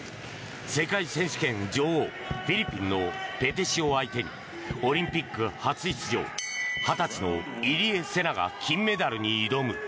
世界選手権女王フィリピンのペテシオ相手にオリンピック初出場２０歳の入江聖奈が金メダルに挑む。